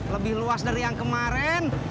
lebih luas dari yang kemarin